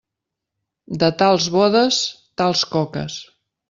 De tals bodes, tals coques.